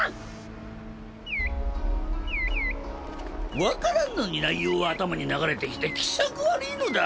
ピヨピヨピヨ分からんのに内容は頭に流れてきて気色悪いのだ。